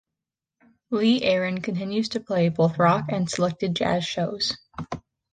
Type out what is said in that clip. Lee Aaron continues to play both rock and selected jazz shows.